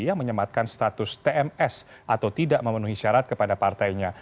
yang menyematkan status tms atau tidak memenuhi syarat kepada partainya